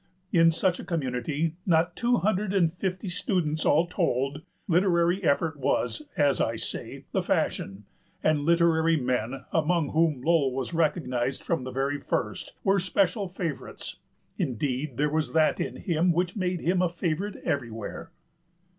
In such a community not two hundred and fifty students all told, literary effort was, as I say, the fashion, and literary men, among whom Lowell was recognized from the very first, were special favorites. Indeed, there was that in him which made him a favorite everywhere."